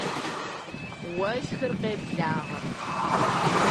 Уэшхыр къэблагъэрт.